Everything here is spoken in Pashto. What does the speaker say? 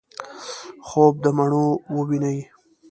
خوب دمڼو وویني